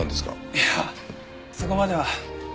いやそこまでは。